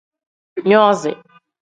Nozi.